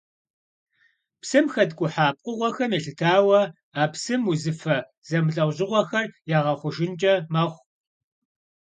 Psım xetk'uha pkhığuexem yêlhıtaue a psım vuzıfe zemılh'eujığuexer yağexhujjınç'e mexhu.